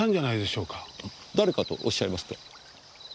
誰かとおっしゃいますと？